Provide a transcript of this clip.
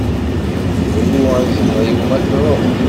Ru a zzheṛ-iw ma truḍ.